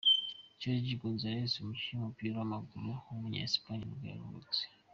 Sergio González, umukinnyi w’umupira w’amaguru w’umunya Espagne nibwo yavutse.